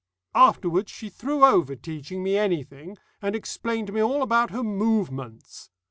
"Afterwards she threw over teaching me anything, and explained to me all about her Movements.